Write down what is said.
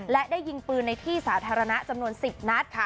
และได้ยิงปืนในที่สาธารณะจำนวน๑๐นัด